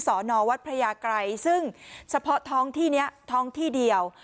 สอนอวัดพระยากรัยซึ่งเฉพาะท้องที่นี้ท้องที่เดียว